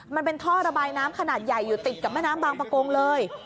มันเป็นท่อระบายน้ำขนาดใหญ่อยู่ติดกับแม่น้ำบางประกงเลย